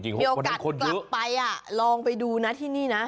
มีโอกาสกลับไปลองไปดูนะที่นี่นะ